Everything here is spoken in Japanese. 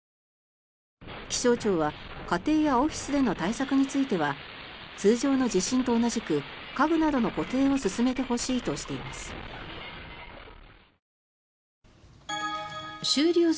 気象庁は、家庭やオフィスでの対策については通常の地震と同じく家具などの固定を進めてほしいとしています。